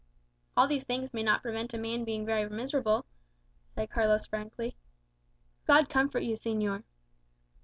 "All these things may not prevent a man being very miserable," said Carlos frankly. "God comfort you, señor."